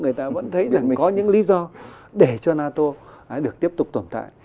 người ta vẫn thấy rằng mình có những lý do để cho nato được tiếp tục tồn tại